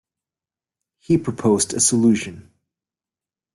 He proposed a solution.